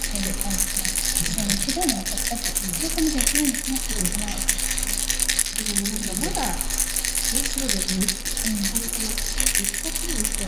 元朝打埋過西方